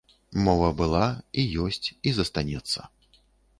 Мова была і ёсць, і застанецца.